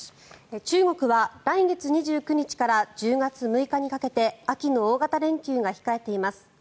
中国は来月２９日から１０月６日にかけて秋の大型連休が控えています。